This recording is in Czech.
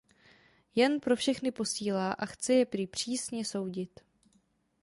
Jan pro všechny posílá a chce je prý přísně soudit.